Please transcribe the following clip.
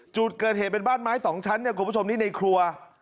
จุดเกิดเหตุเป็นบ้านไม้สองชั้นเนี่ยคุณผู้ชมนี่ในครัว